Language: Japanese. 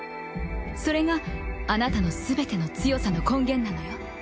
それがあなたのすべての強さの根源なのよ。